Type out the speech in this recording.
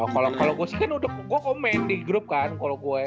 kalo gua sih kan udah gua kok main di group kan kalo gua ya